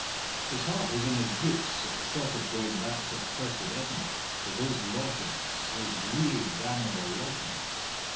His heart was in his boots at the thought of going back to accursed Edinburgh to those lodgings, those dreary, damnable lodgings.